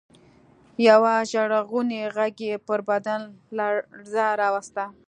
يوه ژړغوني غږ يې پر بدن لړزه راوسته.